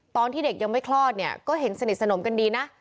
ตอนที่เด็กยังไม่คลอดเนี่ยก็เห็นสนิทสนมกันดีนะ